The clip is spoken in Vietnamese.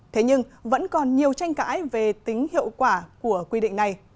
thế nhưng vẫn còn nhiều tranh cãi về tính hiệu quả của quy định này